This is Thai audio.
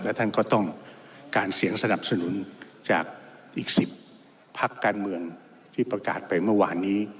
และท่านก็ต้องการเสียงสนับสนุนจากอีก๑๐พักการเมืองที่ประกาศไปเมื่อวานนี้